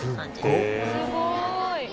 すごーい！